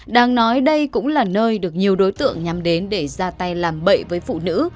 đang nói đây cũng là nơi được nhiều đối tượng nhắm đến để ra tay làm bậy với phụ nữ